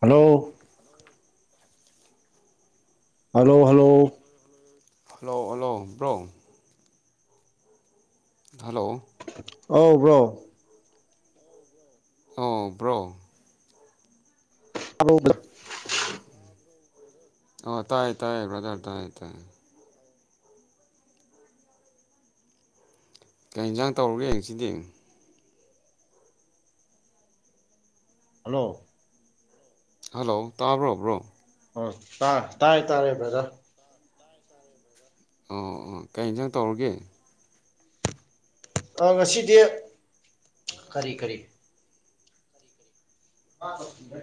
hello hello hello hello hello bro hello ꯑꯧ bro ꯑꯧ bro hello ꯕꯔ ꯑꯣ ꯇꯥꯏꯌꯦ ꯇꯥꯏꯌꯦ ꯕ꯭ꯔꯗꯔ ꯇꯥꯏ ꯇꯥꯏꯌꯦ ꯀꯩ ꯏꯟꯖꯥꯡ ꯇꯧꯔꯒꯦ ꯉꯁꯤꯗꯤ ꯍꯜꯂꯣ ꯍꯜꯂꯣ ꯇꯥꯕ꯭ꯔꯣꯕ꯭ꯔꯣ ꯑꯣ ꯇꯥ ꯇꯥꯔꯦ ꯇꯥꯔꯦ ꯕ꯭ꯔꯗꯔ ꯑꯝ ꯑꯝ ꯀꯩ ꯌꯦꯟꯁꯥꯡ ꯇꯧꯔꯒꯦ ꯑ ꯉꯁꯤꯗꯤ ꯀꯔꯤ ꯀꯔꯤ ꯄꯥ ꯂꯣꯢꯁꯤꯟꯒ꯭ꯔꯦ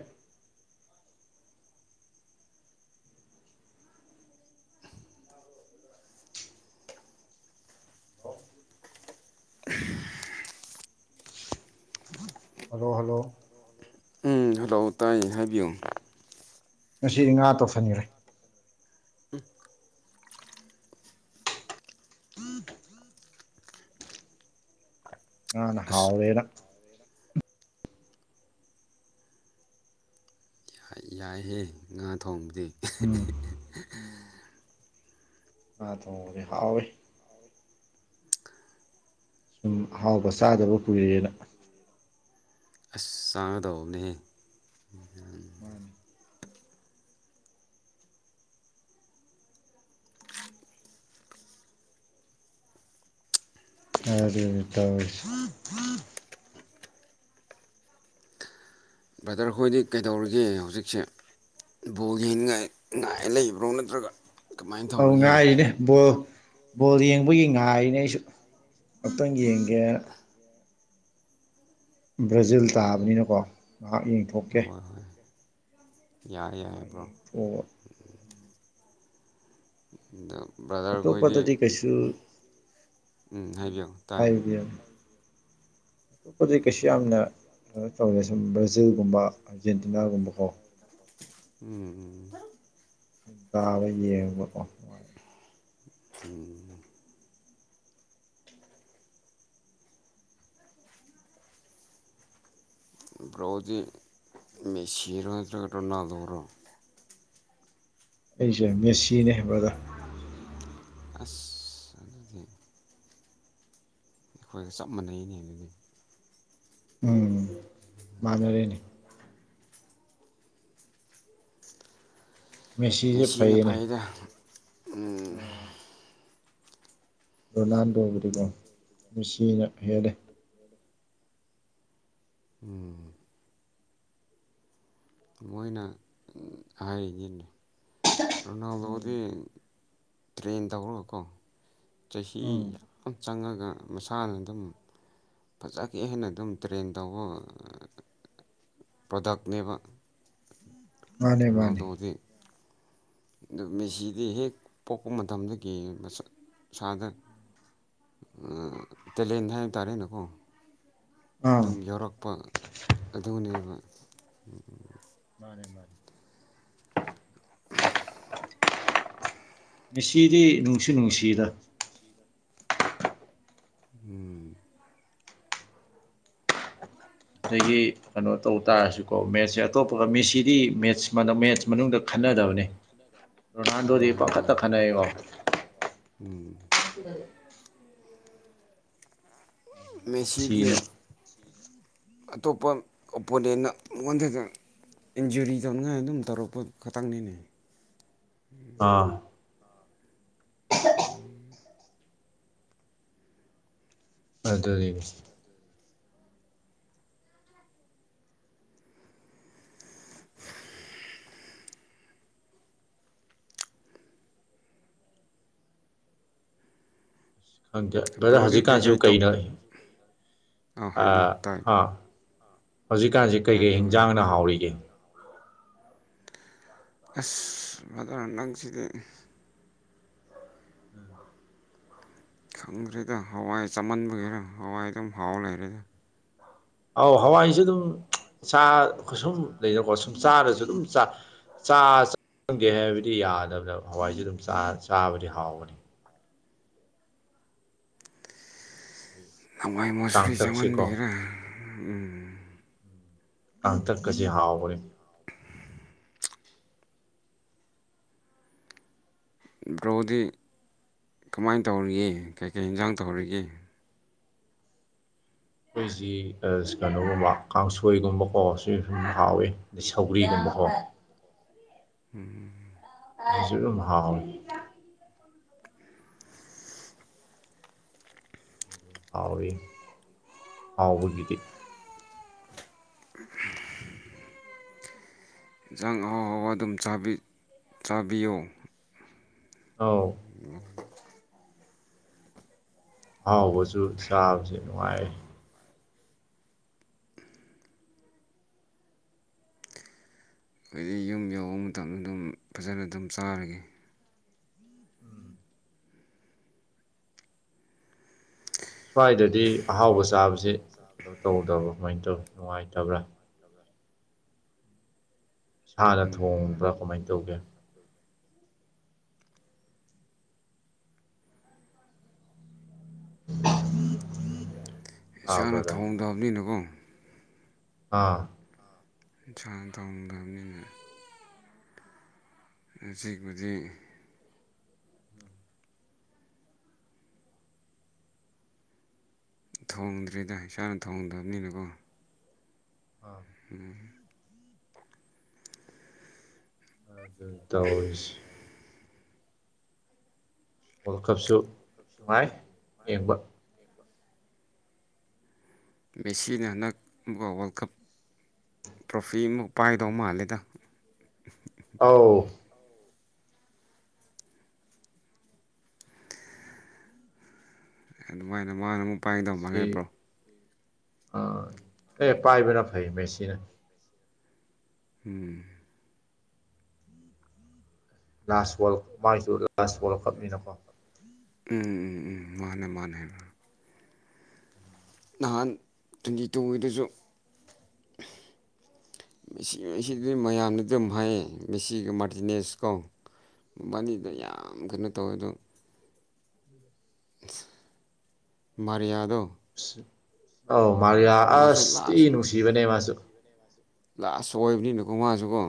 ꯑꯣ ꯍꯜꯂꯣ ꯍꯜꯂꯣ ꯑꯧ ꯇꯥꯏꯌꯦ ꯍꯥꯏꯕꯤꯌꯣ ꯉꯁꯤꯗꯤ ꯉꯥ ꯇꯧꯁꯟꯈꯔꯦ ꯉꯥꯅ ꯑꯁ ꯍꯥꯎꯑꯦꯅ ꯌꯥꯏꯍꯦ ꯉꯥ ꯊꯣꯡꯕꯗꯤ ꯎꯝ ꯎꯝ ꯉꯥ ꯊꯣꯡꯕꯗꯤ ꯍꯥꯎꯋꯦ ꯁꯨꯝ ꯑꯍꯥꯎꯕ ꯆꯥꯗꯕ ꯀꯨꯏꯔꯦꯅ ꯆꯥꯒꯗꯧꯕꯅꯤ ꯃꯥꯅꯤ ꯑꯗꯨꯅꯤ ꯇꯧꯔꯤꯁꯦ ꯕ꯭ꯔꯗꯔ ꯈꯣꯏꯗꯤ ꯀꯩꯗꯧꯔꯤꯒꯦ ꯍꯧꯖꯤꯛꯁꯦ ꯕꯣꯜ ꯌꯦꯡꯅꯤꯡꯥꯏ ꯉꯥꯏ ꯂꯩꯕ꯭ꯔꯣ ꯅꯠꯇ꯭ꯔꯒ ꯀꯃꯥꯏꯅ ꯑꯧ ꯇꯧꯔꯒꯦ ꯉꯥꯏꯔꯤꯅꯦ ꯕꯣꯜ ꯕꯣꯜ ꯌꯦꯡꯕꯒꯤ ꯉꯥꯏꯅꯦ ꯑꯩꯁꯨ ꯑꯝꯇꯪ ꯌꯦꯡꯒꯦꯅ ꯕ꯭ꯔꯥꯖꯤꯜ ꯇꯥꯕꯅꯤꯅꯀꯣ ꯉꯥꯏꯍꯥꯛ ꯌꯦꯡꯊꯣꯛꯀꯦ ꯌꯥꯏꯌꯦ ꯌꯥꯏꯌꯦ ꯉꯥꯏꯍꯥꯛ ꯕ꯭ꯔꯣ ꯌꯦꯡꯊꯣꯛꯑꯒ ꯑꯗꯣ ꯕ꯭ꯔꯗꯔ ꯈꯣꯏꯗꯤ ꯑꯇꯣꯞꯄꯗꯗꯤ ꯀꯩꯁꯨ ꯎꯝ ꯍꯥꯏꯕꯤꯌꯨ ꯇꯥꯏ ꯍꯥꯏꯕ [inaudible] ꯑꯇꯣꯞꯄꯗꯤ ꯀꯩꯁꯨ ꯌꯥꯝꯅ ꯀꯩꯅꯣ ꯇꯧ ꯑꯦ ꯁꯨꯝ ꯕ꯭ꯔꯖꯤꯜ ꯒꯨꯝꯕ ꯑꯥꯔꯖꯦꯟꯇꯤꯅꯥꯒꯨꯝꯕ ꯀꯣ ꯎꯝ ꯎꯝ ꯁꯨꯝ ꯇꯥꯕ ꯌꯦꯡꯕ ꯀꯣ ꯅꯨꯡꯉꯥꯏ ꯎꯝ ꯕ꯭ꯔꯣꯗꯤ ꯃꯦꯁꯤꯔꯣ ꯅꯠꯇꯔꯒ ꯔꯣꯅꯥꯜꯗꯣꯔꯣ ꯑꯩꯁꯦ ꯃꯦꯁꯤꯅꯦ ꯕꯔꯗꯔ ꯑꯁ ꯑꯗꯨꯗꯤ ꯑꯈꯣꯏꯒ ꯆꯞ ꯃꯥꯟꯅꯩꯅꯦ ꯑꯗꯨꯗꯤ ꯎꯝ ꯃꯥꯟꯅꯔꯦꯅꯦ ꯃꯦꯁꯤꯁꯦ ꯃꯦꯁꯤꯅ ꯐꯩꯌꯦꯅꯦ ꯐꯩꯌꯦꯗ ꯎꯝ ꯔꯣꯅꯥꯜꯗꯣ ꯒꯤꯗꯤꯀꯣ ꯃꯦꯁꯤꯁꯤꯅ ꯍꯦꯜꯂꯦ ꯎꯝ ꯃꯣꯏꯅ ꯍꯥꯏꯔꯤꯅꯤꯅꯦ ꯔꯣꯅꯥꯜꯗꯣꯗꯤ ꯎꯝ ꯇ꯭ꯔꯦꯟ ꯇꯧꯔꯒꯀꯣ ꯆꯍꯤ ꯎꯝ ꯌꯥꯝ ꯆꯪꯉꯒ ꯃꯁꯥꯅ ꯑꯗꯨꯝ ꯐꯖꯒꯦꯡꯍꯥꯏꯅ ꯑꯗꯨꯝ ꯇ꯭ꯔꯦꯟ ꯇꯧꯕ ꯑ ꯄ꯭ꯔꯗꯛꯅꯦꯕ ꯃꯥꯅꯦ ꯃꯥꯅꯦ ꯔꯣꯅꯥꯜꯗꯣꯗꯤ ꯑꯗꯨ ꯃꯦꯁꯤꯗꯤ ꯍꯦꯛ ꯄꯣꯛꯄ ꯃꯇꯝꯗꯒꯤ ꯃꯁꯥ ꯃꯁꯥꯗ ꯇꯦꯂꯦꯟ ꯍꯥꯏ ꯇꯥꯔꯦꯅꯦꯀꯣ ꯑꯥ ꯑꯗꯨꯝ ꯌꯥꯎꯔꯛꯄ ꯑꯗꯨꯅꯦꯕ [inaudible] ꯃꯥꯅꯦ ꯃꯥꯅꯦ ꯃꯦꯁꯤꯗꯤ ꯅꯨꯡꯁꯨ ꯅꯨꯡꯁꯤꯗ ꯎꯝ ꯑꯗꯒꯤ ꯀꯩꯅꯣ ꯇꯧ ꯇꯥꯔꯁꯨꯀꯣ ꯃꯦꯠꯁꯦ ꯑꯇꯣꯞꯄꯒ ꯃꯦꯁꯤꯗꯤ ꯃꯦꯠꯁ ꯃꯦꯠꯁ ꯃꯅꯨꯡꯗ ꯈꯠ ꯈꯟꯅꯗꯕꯅꯦ ꯔꯣꯅꯥꯜꯗꯣꯗꯤ ꯃꯥꯅꯦ ꯄꯪꯈꯠꯇ ꯃꯥꯅꯦ ꯈꯠꯅꯩꯑꯦꯕ ꯎꯝ [inaudible] ꯃꯦꯁꯤꯗꯤ ꯃꯦꯁꯤꯅ ꯑꯇꯣꯞꯄ ꯑꯣꯄꯣꯅꯤꯌꯟꯅ ꯃꯉꯣꯟꯗꯒ ꯏꯟꯖꯨꯔꯤ ꯇꯧꯅꯤꯉꯥꯏ ꯑꯗꯨꯝ ꯇꯧꯔꯛꯄ ꯈꯛꯇꯪꯅꯤꯅꯦ ꯑꯥ ꯑꯗꯨꯅꯦ ꯈꯪꯗꯦ ꯕ꯭ꯔꯗ꯭ꯔ ꯕ꯭ꯔꯣꯗꯤ ꯀꯩꯀꯩ ꯍꯧꯖꯤꯛꯀꯥꯟꯁꯤꯕꯨ ꯇꯧ ꯀꯩꯗꯧꯔꯤ ꯑꯥ ꯍꯥꯏꯕꯤꯌꯨ ꯇꯥꯏ ꯍꯧꯖꯤꯛꯀꯥꯟꯁꯤ ꯀꯩ ꯀꯩ ꯍꯥꯏꯕꯤꯌꯨ ꯍꯥꯏꯕꯤꯌꯨ ꯍꯤꯟꯖꯥꯡꯅ ꯍꯥꯎꯔꯤꯒꯦ ꯑꯁ ꯕ꯭ꯔꯗ꯭ꯔ ꯅꯪꯁꯤꯗꯤ ꯎꯝ ꯈꯪꯗ꯭ꯔꯦꯗ ꯍꯋꯥꯏ ꯆꯃꯟꯕꯒꯤꯔ ꯍꯋꯥꯏ ꯑꯗꯨꯝ ꯍꯥꯎ ꯂꯩꯔꯦꯗ ꯑꯧ ꯍꯋꯥꯏꯁꯨ ꯑꯗꯨꯝ ꯁꯨꯝ ꯂꯩꯅꯀꯣ ꯁꯨꯝ ꯆꯥꯔꯁꯨ ꯑꯗꯨꯝ ꯆꯥꯒꯦ ꯍꯥꯏꯕꯗꯤ ꯌꯥꯗꯕꯗ ꯍꯋꯥꯏꯁꯨ ꯑꯗꯨꯝ ꯆꯥꯕꯗꯤ ꯍꯥꯎꯕꯅꯤ ꯑꯩꯈꯣꯏꯒꯤ ꯍꯋꯥꯏ ꯃꯨꯁꯔꯤ ꯀꯥꯡꯇꯛꯁꯤꯀꯣ ꯆꯥꯃꯟꯕꯤꯒꯤꯔꯥ ꯎꯝ ꯀꯪꯇꯛ ꯀꯁꯤ ꯍꯥꯥꯎꯕꯅꯦ ꯕ꯭ꯔꯣꯗꯤ ꯀꯃꯥꯏꯅ ꯇꯧꯔꯤꯒꯦ ꯀꯩ ꯀꯩ ꯏꯟꯖꯥꯡ ꯇꯧꯔꯤꯒꯦ ꯑꯈꯣꯏꯁꯤ ꯀꯩꯅꯣꯒꯨꯝꯕ ꯀꯥꯡꯁꯣꯏꯒꯨꯝꯕ ꯀꯣꯁꯨ ꯁꯨꯝ ꯍꯥꯎꯋꯤ ꯑꯗꯩ ꯁꯧꯒ꯭ꯔꯤꯒꯨꯝꯕ ꯑꯣ ꯎꯝ [unintelligible] ꯍꯥꯎꯋꯤ ꯍꯥꯎꯕꯒꯤꯗꯤ [inaudible] ꯏꯟꯁꯥꯡ ꯑꯍꯥꯎ ꯑꯍꯥꯎꯕ ꯑꯗꯨꯝ ꯆꯥꯕꯤ ꯆꯥꯕꯤꯌꯣ ꯑꯧ ꯎꯝ ꯑꯍꯥꯎꯕꯁꯨ ꯆꯕꯁꯦ ꯅꯨꯡꯉꯥꯏꯑꯦ ꯑꯩꯗꯤ ꯌꯨꯝ ꯌꯧꯕ ꯃꯇꯝꯗ ꯑꯗꯨꯝ ꯐꯖꯅ ꯑꯗꯨꯝ ꯆꯥꯔꯒꯦ ꯁ꯭ꯋꯥꯏꯗꯗꯤ ꯑꯍꯥꯎꯕ ꯆꯥꯕꯁꯦ ꯀꯩꯅꯣ ꯇꯧꯗꯕꯥꯀꯃꯥꯏꯅ ꯇꯧꯏ ꯅꯨꯡꯉꯥꯏꯇꯕ꯭ꯔꯥ ꯏꯁꯥꯅ ꯎꯝ ꯊꯣꯡꯕ꯭ꯔꯥ ꯀꯃꯥꯏ ꯇꯧꯒꯦ [inaudible] ꯏꯁꯥꯅ ꯕ꯭ꯔꯗꯔ ꯊꯣꯡꯗꯕꯅꯤꯅꯀꯣ ꯑꯥ ꯏꯁꯥꯅ ꯊꯣꯡꯗꯕꯅꯤꯅ ꯉꯁꯤꯕꯨꯗꯤ ꯊꯣꯡꯗ꯭ꯔꯤꯗ ꯏꯁꯥꯅ ꯊꯣꯡꯗꯕꯅꯤꯅꯀꯣ ꯑꯥ ꯎꯝ ꯇꯧꯔꯁꯤ ꯋꯥꯔꯜ ꯀꯞꯁꯨ ꯅꯨꯡꯉꯥꯏ ꯌꯦꯡꯕ ꯃꯦꯁꯤꯅ ꯍꯟꯗꯛ ꯀꯣ ꯋꯥꯔꯜ ꯀꯞ ꯇ꯭ꯔꯣ ꯐꯤ ꯑꯃ ꯄꯥꯏꯗꯧ ꯃꯥꯜꯂꯦꯗ ꯑꯧ ꯑꯗꯨꯃꯥꯏꯅ ꯃꯥꯅ ꯑꯃꯨꯛ ꯄꯥꯏꯒꯗꯧ ꯃꯦꯁꯤ ꯃꯥꯟꯕ꯭ꯔꯣ ꯑꯦ ꯄꯥꯏꯕꯅ ꯐꯩ ꯃꯦꯁꯤꯅ ꯎꯝ ꯂꯥꯁ ꯕꯣꯜ ꯃꯥꯢꯁꯨ ꯂꯥꯁ ꯋꯥꯔꯜ ꯀꯞꯅꯤꯅꯀꯣ ꯎꯝ ꯎꯝ ꯎꯝ ꯃꯥꯅꯦ ꯃꯥꯅꯦ ꯅꯍꯥꯟ ꯇ꯭ꯋꯦꯟꯇꯤ ꯇꯨꯒꯤꯗꯨꯁꯨ ꯃꯦꯁꯤ ꯃꯦꯁꯤꯁꯤꯗꯤ ꯃꯌꯥꯝꯅ ꯑꯗꯨꯝ ꯍꯥꯏꯌꯦ ꯃꯦꯁꯤꯒꯤ ꯃꯥꯔꯇꯤꯅꯦꯁ ꯀꯣ ꯕꯥꯅꯤꯗ ꯌꯥꯝ ꯀꯩꯅꯣ ꯇꯧꯋꯦ ꯑꯗꯣ ꯃꯔꯤꯌꯥꯗꯣ ꯑꯧ ꯃꯥꯔꯤꯌꯥ ꯃꯥꯁꯨ ꯑꯁ ꯊꯤ ꯂꯥꯁ ꯅꯨꯡꯁꯤꯕꯅꯦ ꯃꯥꯁꯨ ꯂꯥꯁ ꯑꯣꯏꯕꯅꯤꯅꯀꯣ ꯃꯥꯁꯨꯀꯣ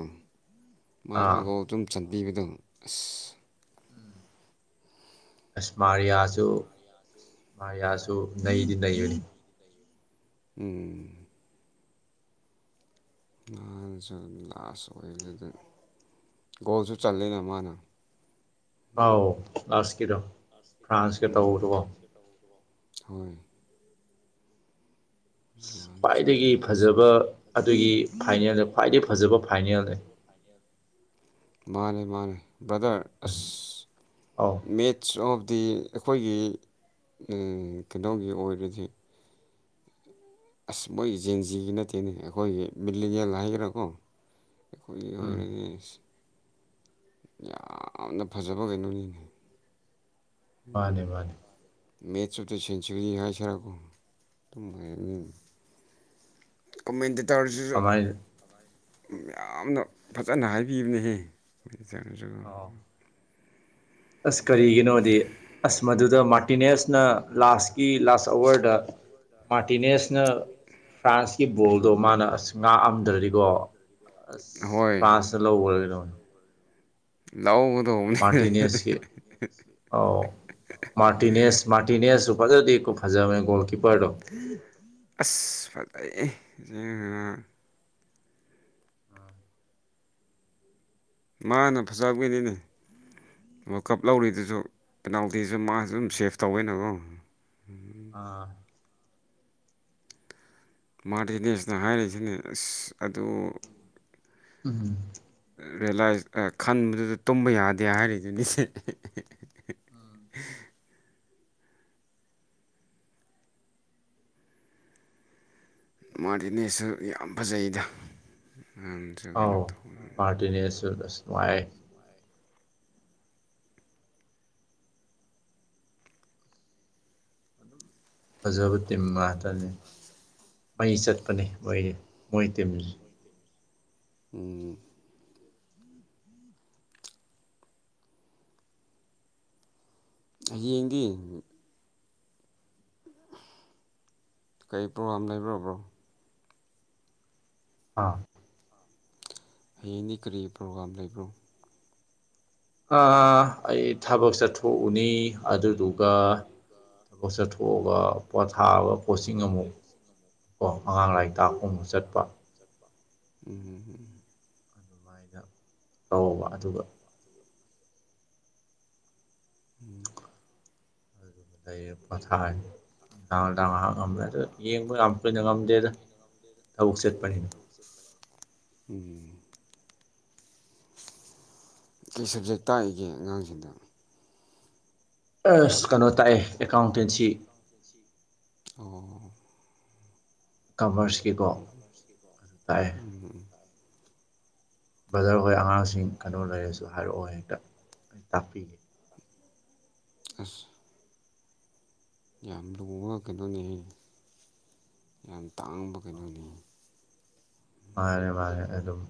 ꯃꯥꯅꯁꯨ ꯑꯥ ꯒꯣꯜ ꯑꯗꯨꯝ ꯆꯟ ꯄꯤꯕꯗꯣ ꯑꯁ ꯑꯦꯁ ꯃꯥꯔꯤꯌꯥꯁꯨ ꯃꯥꯔꯤꯌꯥꯁꯨ ꯅꯩꯗꯤ ꯅꯩꯕꯅꯤ ꯎꯝ ꯃꯥꯅꯁꯨ ꯂꯥꯁ ꯑꯣꯢꯕꯖꯤꯗ ꯒꯣꯜꯁꯨ ꯆꯂꯦꯅ ꯃꯥꯅ ꯑꯥꯎ ꯂꯥꯁꯀꯤꯗꯣ ꯐ꯭ꯔꯥꯟꯁꯀ ꯎꯝ ꯇꯧꯕꯗꯣꯀꯣ ꯍꯣꯏ ꯑꯁ ꯃꯥꯅ ꯈ꯭ꯋꯥꯏꯗꯒꯤ ꯁꯥꯟꯅꯖꯩꯁꯦ ꯐꯖꯕ ꯑꯗꯨꯒꯤ ꯐꯥꯏꯅꯦꯜꯗ ꯈ꯭ꯋꯥꯏꯗꯒꯤ ꯐꯖꯕ ꯐꯥꯏꯅꯦꯜꯅꯦ ꯃꯥꯅꯦ ꯃꯥꯅꯦ ꯕ꯭ꯔꯗꯔ ꯑꯁ ꯑꯧ ꯃꯦꯠꯆ ꯑꯣꯐ ꯗꯤ ꯑꯩꯈꯣꯏꯒꯤ ꯎꯝ ꯀꯩꯅꯣꯒꯤ ꯑꯣꯏꯔꯗꯤ ꯑꯁ ꯃꯣꯏꯒꯤ ꯖꯦꯟꯖꯤꯒꯤ ꯅꯠꯇꯦꯅꯦ ꯑꯩꯈꯣꯏꯒꯤ ꯃꯤꯂꯤꯅꯤꯌꯦꯜ ꯍꯥꯏꯒꯦꯔꯥꯀꯣ ꯑꯩꯈꯣꯏꯒꯤ ꯎꯝ ꯑꯣꯏꯔ ꯒꯦꯁ ꯌꯥꯝꯅ ꯐꯖꯕ ꯀꯩꯅꯣꯅꯤꯅꯦ ꯃꯥꯅꯦ ꯃꯥꯅꯦ ꯃꯦꯠꯁ ꯑꯣꯞꯇꯥ ꯁꯦꯟꯆꯨꯔꯤ ꯍꯥꯏꯁꯤꯔꯀꯣ ꯑꯗꯨꯝ ꯍꯥꯢꯔꯅꯤ ꯎꯝ ꯀꯣꯃꯦꯟꯗ ꯇꯔꯁꯤꯁꯨ ꯑꯃꯥꯏꯅ ꯌꯥꯝꯅ ꯐꯖꯅ ꯍꯥꯏꯕꯤꯕꯅꯦꯍꯦ ꯀꯩꯅꯣꯁꯨ ꯑꯧ ꯑꯁ ꯀꯔꯤꯒꯤꯅꯣꯗꯤ ꯑꯁ ꯃꯗꯨꯗ ꯃꯥꯔꯇꯤꯅꯦꯁꯅ ꯂꯥꯁꯀꯤ ꯂꯥꯁ ꯑꯋꯔꯗ ꯃꯥꯔꯇꯤꯅꯦꯁꯅ ꯐ꯭ꯔꯥꯟꯁꯀꯤ ꯕꯣꯜꯗꯣ ꯃꯥꯅ ꯑꯁ ꯉꯥꯛꯑꯝꯗ꯭ꯔꯗꯤꯀꯣ ꯑꯁ ꯍꯣꯏ ꯐ꯭ꯔꯥꯟꯁꯅ ꯂꯧꯈ꯭ꯔꯦ ꯗꯨꯝ ꯂꯧ ꯃꯥꯔꯇꯤꯅꯦꯁꯀꯤ ꯑꯧ ꯃꯥꯔꯇꯤꯅꯦꯁ ꯃꯥꯔꯇꯤꯅꯦꯁꯁꯨ ꯐꯖꯅꯗꯤ ꯗꯨꯝ ꯐꯖꯕꯅꯦ ꯒꯣꯜ ꯀꯤꯄ꯭ꯔꯗꯣ ꯑꯁ ꯐꯖꯩꯌꯦ ꯃꯥꯅ ꯐꯖꯕꯒꯤꯅꯤꯅꯦ ꯋꯥꯔ꯭ꯜ ꯀꯞ ꯂꯧꯔꯤꯗꯨꯁꯨ ꯄꯦꯅꯥꯜꯇꯤꯁꯨ ꯃꯥꯁꯨ ꯑꯗꯨꯝ ꯎꯝ ꯁꯦꯐ ꯇꯧꯋꯦꯅꯀꯣ ꯑꯥ ꯃꯥꯔꯇꯤꯅꯦꯁꯅ ꯍꯥꯏꯔꯤꯁꯤꯅꯤ ꯑꯁ ꯑꯗꯨ ꯎꯝ ꯔꯤꯌꯦꯂꯥꯏꯁ ꯑ ꯈꯟꯕꯗꯨꯗ ꯇꯨꯝꯕ ꯌꯥꯗꯦ ꯍꯥꯏꯔꯤꯗꯨꯅꯤ ꯁꯦ ꯑꯦꯍꯦꯍꯦꯍꯦ ꯍꯥ ꯃꯥꯔꯇꯤꯅꯦꯁꯁꯨ ꯌꯥꯝ ꯐꯖꯩꯌꯦꯗ ꯑꯥꯎ ꯃꯥꯔꯇꯤꯅꯦꯁꯨ ꯑꯁ ꯅꯨꯡꯉꯥꯏꯌꯦ ꯐꯖꯕ ꯇꯤꯝ ꯉꯥꯛꯇꯅꯦ ꯃꯩ ꯆꯠꯄꯅꯦ ꯃꯣꯏꯗꯤ ꯃꯣꯏ ꯇꯤꯝꯁꯤ ꯎꯝ ꯍꯌꯦꯡꯗꯤ ꯎꯝ ꯀꯔꯤ ꯄ꯭ꯔꯣꯒꯥꯔꯝ ꯂꯩꯕ꯭ꯔꯣ ꯕ꯭ꯔꯣ ꯑꯥ ꯍꯌꯦꯡꯗꯤ ꯀꯔꯤ ꯄ꯭ꯔꯣꯒꯥꯔꯝ ꯂꯩꯕ꯭ꯔꯣ ꯑꯥ ꯑꯩ ꯊꯕꯛ ꯆꯠꯊꯣꯛꯎꯅꯤ ꯑꯗꯨꯗꯨ ꯑꯗꯨꯗꯨꯒ ꯀꯣꯛ ꯆꯠꯊꯣꯛꯑꯒ ꯄꯣꯊꯥꯕ ꯀꯣꯆꯤꯡ ꯄꯣꯊꯥꯕ ꯑꯃꯨꯛ ꯄꯣꯠꯁꯤꯡ ꯑꯃꯨꯛ ꯀꯣ ꯑꯉꯥꯡ ꯂꯥꯏꯔꯤꯛ ꯇꯥꯛꯄ ꯑꯃꯨꯛ ꯆꯠꯄ ꯎꯝ ꯎꯝ ꯑꯗꯨꯃꯥꯏꯅ ꯇꯧꯕ ꯑꯗꯨꯒ ꯎꯝ [unintelligible] ꯗꯦꯗ ꯊꯕꯛ ꯆꯠꯄꯅꯤꯅ ꯎꯝ ꯀꯩ ꯁꯕꯖꯦꯛ ꯇꯥꯛꯏꯒꯦ ꯑꯉꯥꯡꯁꯤꯡꯗꯣ ꯑꯁ ꯀꯩꯅꯣ ꯇꯥꯛꯑꯦ ꯑꯦꯀꯥꯎꯟꯇꯦꯟꯁꯤ ꯑꯣ ꯀꯃꯔꯁꯀꯤꯀꯣ ꯎꯝ ꯀꯣꯃ꯭ꯔꯁ ꯀꯤꯀꯣ ꯑꯗꯨ ꯇꯥꯛꯑꯦ ꯎꯝ ꯕ꯭ꯔꯗꯔ ꯍꯣꯏ ꯑꯉꯥꯡꯁꯤꯡ ꯀꯩꯅꯣ ꯂꯩꯔꯁꯨ ꯍꯥꯏꯔꯛꯑꯣ ꯍꯦꯛꯇ ꯑꯩ ꯇꯥꯛꯄꯤꯒꯦ ꯑꯁ ꯌꯥꯝ ꯂꯨꯕ ꯀꯩꯩꯅꯣꯅꯦꯍꯦ ꯌꯥꯝ ꯇꯥꯡꯕ ꯀꯩꯅꯣꯅꯦ ꯃꯥꯅꯦ ꯃꯥꯅꯦ ꯑꯗꯨꯝ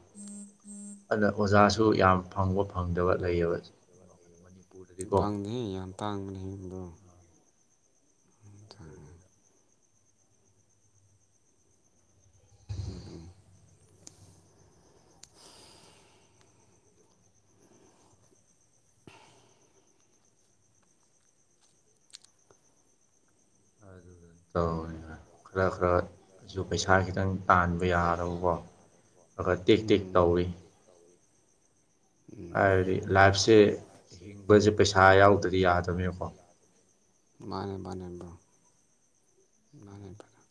ꯑꯗꯨꯅ ꯑꯣꯖꯥꯁꯨ ꯌꯥꯝ ꯐꯪꯕ ꯐꯪꯗꯕ ꯂꯩꯌꯦꯕ ꯃꯅꯤꯄꯨꯔꯗꯗꯤꯀꯣ ꯐꯪꯗꯤꯍꯦ ꯌꯥꯝ ꯇꯥꯡꯕꯅꯦꯗꯣ ꯑꯗꯨꯗꯨꯅ [unintelligible] ꯎꯝ ꯎꯝ ꯑꯗꯨꯗ ꯇꯧꯔꯤꯕ ꯈꯔ ꯈꯔꯁꯨ ꯄꯩꯁꯥ ꯄꯩꯁꯥ ꯈꯤꯇꯪ ꯇꯥꯟꯕ ꯌꯥ ꯅꯕꯀꯣ ꯈ꯭ꯔ ꯈ꯭ꯔ ꯇꯦꯛ ꯇꯦꯛ ꯎꯝ ꯎꯝ ꯎꯝ ꯇꯧꯔꯤ ꯎꯝ ꯍꯥꯏꯕꯗꯤ ꯂꯥꯏꯐꯁꯦ ꯍꯤꯡꯕꯁꯦ ꯄꯩꯁꯥ ꯌꯥꯎꯗ꯭ꯔꯗꯤ ꯌꯥꯗꯕꯅꯤꯅꯀꯣ ꯃꯥꯅꯦ ꯃꯥꯅꯦ ꯕ꯭ꯔꯣ ꯃꯥꯅꯦ ꯕ꯭ꯔꯗꯔ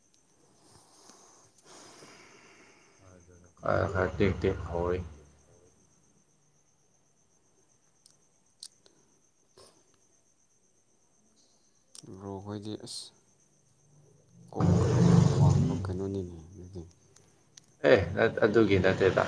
[unintelligible] ꯇꯦꯛ ꯈꯦꯛ ꯍꯧꯏ ꯕ꯭ꯔꯣ ꯈꯣꯏꯗꯤ ꯑꯁ ꯀꯣꯛꯈ꯭ꯔ ꯌꯥꯝ ꯋꯥꯡꯕ ꯀꯩꯅꯣꯅꯤꯅꯦ ꯑꯗꯨꯗꯤ ꯑꯦ ꯑꯥ ꯑꯗꯨꯒꯤ ꯅꯠꯇꯦꯗ